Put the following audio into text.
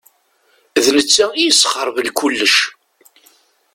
D netta i yesxeṛben kullec.